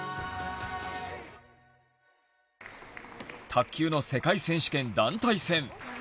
卓球の世界選手権団体戦。